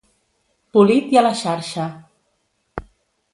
Polit i a la xarxa.